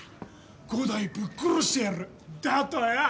「伍代ぶっ殺してやる」だとよ。